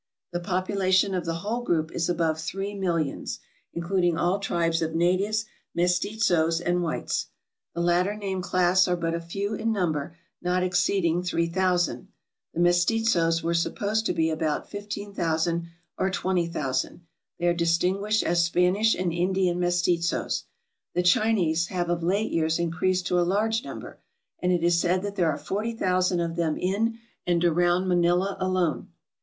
The population of the whole group is above three mil lions, including all tribes of natives, mestizoes, and whites. The latter named class are but few in number, not exceed ing 3000. The mestizoes were supposed to be about 15,000 or 20,000 ; they are distinguished as Spanish and In dian mestizoes. The Chinese have of late years increased to a large number, and it is said that there are 40,000 of them in and around Manila alone.